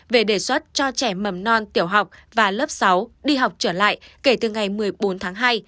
về đề xuất cho trẻ mầm non tiểu học và lớp sáu đi học trở lại kể từ ngày một mươi bốn tháng hai